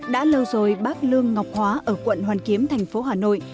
đã lâu rồi bác lương ngọc hóa ở quận hoàn kiếm thành phố hà nội